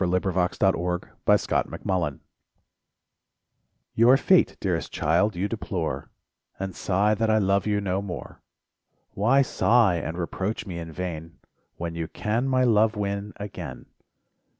SONGS AND DREAMS Vain Reproach Your fate, dearest child, you deplore, And sigh that I love you no more; Why sigh and reproach me in vain, When you can my love win again